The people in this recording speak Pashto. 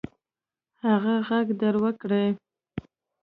هغه ږغ در وکړئ.